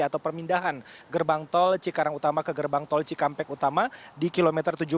atau permindahan gerbang tol cikarang utama ke gerbang tol cikampek utama di kilometer tujuh belas